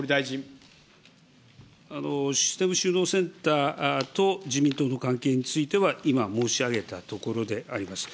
システム収納センターと自民党の関係については、今、申し上げたところであります。